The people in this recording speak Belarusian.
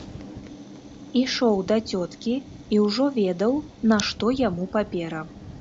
Ішоў да цёткі і ўжо ведаў, нашто яму папера.